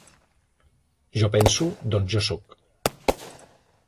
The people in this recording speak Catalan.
Jo penso, doncs jo soc.